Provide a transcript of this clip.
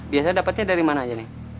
biasanya dapatnya dari mana aja nih